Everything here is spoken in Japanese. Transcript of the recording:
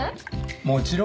もちろん。